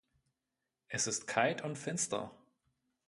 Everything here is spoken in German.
Es ist kalt und finster.